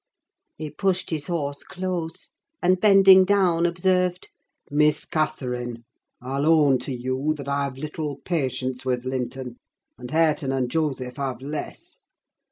He pushed his horse close, and, bending down, observed— "Miss Catherine, I'll own to you that I have little patience with Linton; and Hareton and Joseph have less.